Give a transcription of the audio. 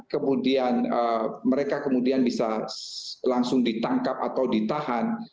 kemudian mereka kemudian bisa langsung ditangkap atau ditahan